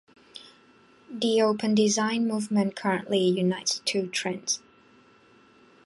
The open-design movement currently unites two trends.